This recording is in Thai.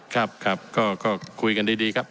ครับครับก็คุยกันดีครับ